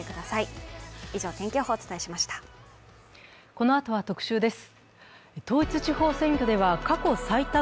このあとは特集です。